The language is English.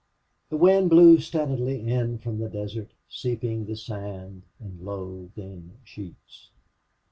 The wind blew steadily in from the desert seeping the sand in low, thin sheets.